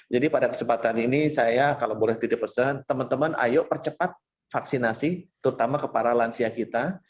jadi pada kesempatan ini saya kalau boleh didepesan teman teman ayo percepat vaksinasi terutama ke para lansia kita